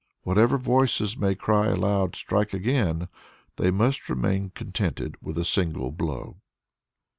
Whatever voices may cry aloud "Strike again!" they must remain contented with a single blow.